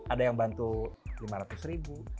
ada yang bantu lima ratus ribu